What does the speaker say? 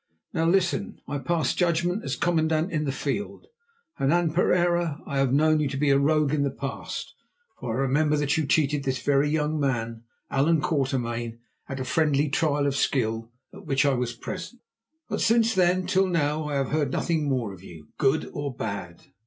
Now listen; I pass judgment as commandant in the field. Hernan Pereira, I have known you to be a rogue in the past, for I remember that you cheated this very young man, Allan Quatermain, at a friendly trial of skill at which I was present; but since then till now I have heard nothing more of you, good or bad.